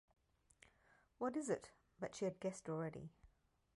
“What is it?” But she had guessed already.